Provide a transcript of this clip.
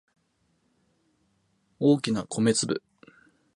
大きな米粒